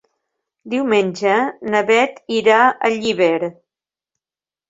Diumenge na Beth irà a Llíber.